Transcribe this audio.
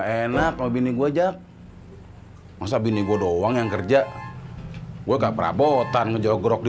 enak ngobrol aja masa bini gua doang yang kerja gue gak perabotan menjauh gerok di